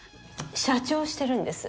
社長をしてるんです。